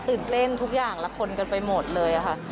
ตื่นเต้นทุกอย่างละคนกันไปหมดเลยค่ะ